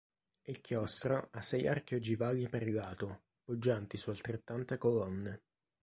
Il chiostro ha sei archi ogivali per lato, poggianti su altrettante colonne.